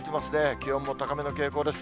気温も高めの傾向です。